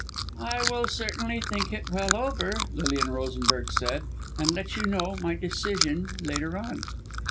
"I will certainly think it well over," Lilian Rosenberg said, "and let you know my decision later on."